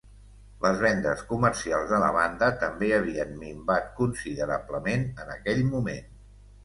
Les vendes comercials de la banda també havien minvat considerablement en aquell moment.